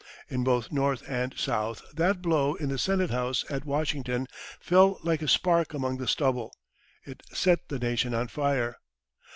In both North and South that blow in the Senate House at Washington fell like a spark among the stubble: it set the nation on fire.